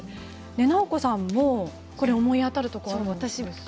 奈穂子さんも、思い当たるところがあるんですよね？